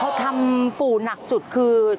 เขาทำปู่หนักสุดคือ